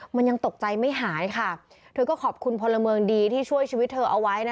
มันยังตกใจไม่หายค่ะเธอก็ขอบคุณพลเมืองดีที่ช่วยชีวิตเธอเอาไว้นะ